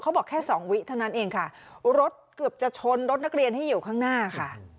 บอกแค่สองวิเท่านั้นเองค่ะรถเกือบจะชนรถนักเรียนที่อยู่ข้างหน้าค่ะ